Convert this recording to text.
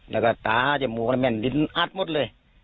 แล้วก็ตาจมูกแม่นดินอัดหมดเลย